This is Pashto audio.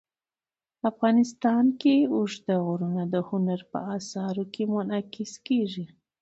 افغانستان کې اوږده غرونه د هنر په اثار کې منعکس کېږي.